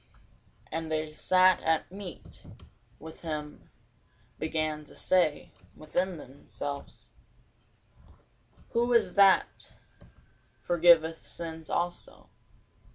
And they that sat at meat with him began to say within themselves, Who is this that forgiveth sins also?